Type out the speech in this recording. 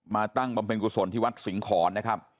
มาตั้งบำเพ็ญกุศลที่วัดสิงห์ขอน